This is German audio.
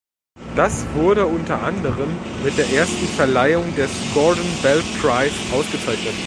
Das wurde unter anderem mit der ersten Verleihung des Gordon Bell Prize ausgezeichnet.